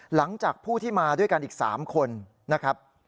หลังจากผู้ที่มาด้วยกันอีก๓คนนะครับ